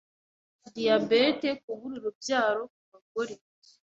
diyabete, kubura urubyaro ku bagore,